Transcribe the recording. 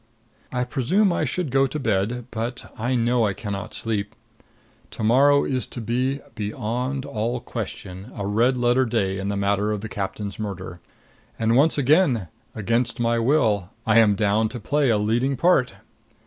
I presume I should go to bed; but I know I can not sleep. To morrow is to be, beyond all question, a red letter day in the matter of the captain's murder. And once again, against my will, I am down to play a leading part.